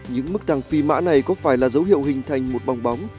những mức tăng phi mã này có phải là dấu hiệu hình thành một bong bóng